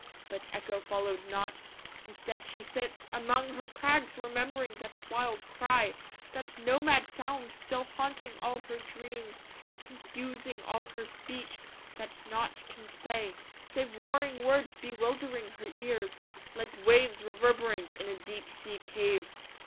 But Echo followed not; instead, she sits Among her crags remembering that wild cry, That nomad sound still haunting all her dreams, Confusing all her speech, that naught can say Save warring words bewildering her ears Like waves reverberant in a deep sea cave.